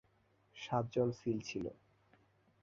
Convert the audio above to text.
সাতজন সিল ছিল।